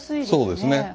そうですね。